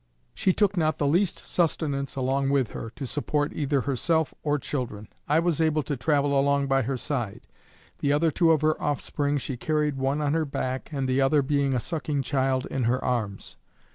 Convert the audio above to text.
She took not the least sustenance along with her, to support either herself or children. I was able to travel along by her side; the other two of her offspring she carried one on her back, and the other being a sucking child, in her arms.